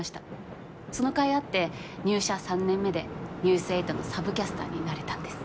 そのかいあって入社３年目で「ニュース８」のサブキャスターになれたんです。